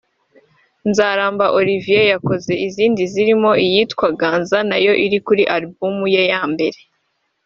Nzaramba Olivier yakoze izindi zirimo iyitwa ‘Ganza’ nayo iri kuri album ye ya mbere